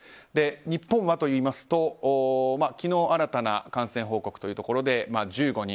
日本はといいますと昨日、新たな感染報告というところで１５人。